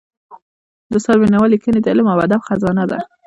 د استاد بینوا ليکني د علم او ادب خزانه ده.